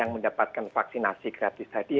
yang mendapatkan vaksinasi gratis tadi